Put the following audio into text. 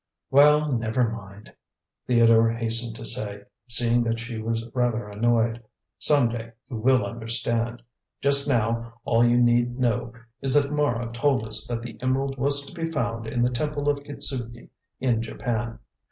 "Well, never mind," Theodore hastened to say, seeing that she was rather annoyed. "Some day you will understand. Just now all you need know is that Mara told us that the emerald was to be found in the Temple of Kitzuki in Japan.